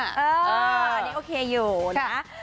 อันนี้โอเคอยู่นะ